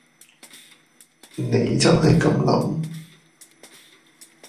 你真係噉諗？